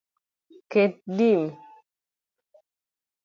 Ket dim